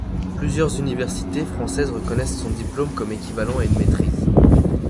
Plusieurs universités françaises reconnaissent son diplôme comme équivalent à une maîtrise.